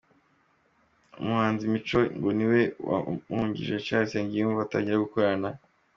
Umuhanzi Mico ngo niwe wamuhuje na Richard Nsengumuremyi batangira gukorana.